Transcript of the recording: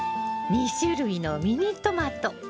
２種類のミニトマト。